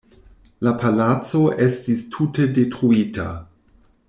La palaco estis tute detruita.